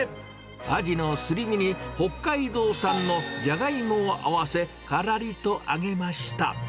アジのすり身に北海道産のジャガイモを合わせ、からりと上げました。